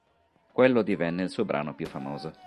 Quello divenne il suo brano più famoso.